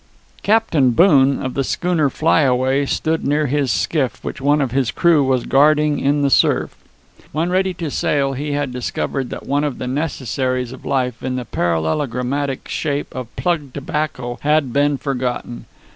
Captain Boone, of the schooner Flyaway, stood near his skiff, which one of his crew was guarding in the surf. When ready to sail he had discovered that one of the necessaries of life, in the parallelogrammatic shape of plug tobacco, had been forgotten.